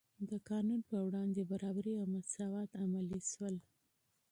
د قانون په وړاندې برابري او مساوات عملي شول.